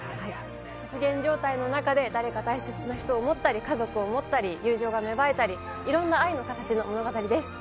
極限状態の中で誰か大切な人を思ったり家族を思ったり、友情が芽生えたりいろんな愛の形の物語です。